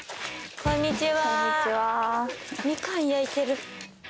こんにちは。